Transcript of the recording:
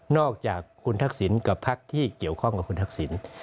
อกจากคุณทักษิณกับพักที่เกี่ยวข้องกับคุณทักษิณ